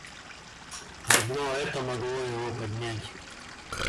Одно это могло его поднять.